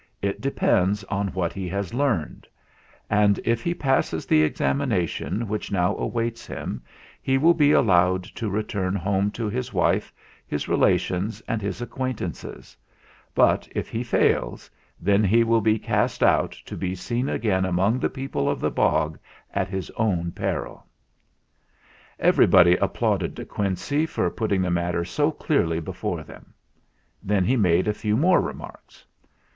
It depends on what he has learned; and if he passes the ex amination which now awaits him he will be allowed to return home to his wife, his rela tions, and his acquaintances; but if he fails, then he will be cast out to be seen again among the people of the bog at his own peril." Everybody applauded De Quincey for put ting the matter so clearly before them. Then he made a few more remarks.